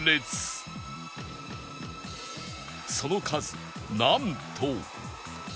その数なんと